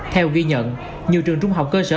theo ghi nhận nhiều trường trung học cơ sở